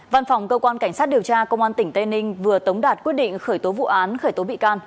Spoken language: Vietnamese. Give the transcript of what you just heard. văn phòng cơ quan cảnh sát điều tra công an tỉnh tây ninh vừa tống đạt quyết định khởi tố vụ án khởi tố bị can